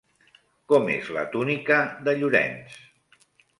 Com és la túnica de Llorenç?